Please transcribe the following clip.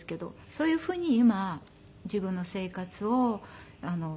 そういうふうに今自分の生活をやり始めて。